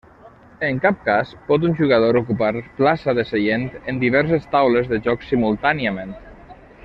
En cap cas pot un jugador ocupar plaça de seient en diverses taules de joc simultàniament.